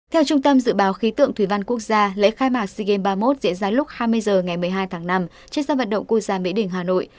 theo trung tâm dự báo khí tượng thủy văn quốc gia lễ khai mạc sea games ba mươi một diễn ra lúc hai mươi h ngày một mươi hai tháng năm trên sân vận động quốc gia mỹ đình hà nội